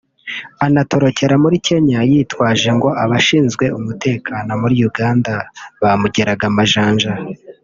anatorokera muri Kenya yitwaje ngo abashinzwe umutekano muri Uganda bamugeraga amajanja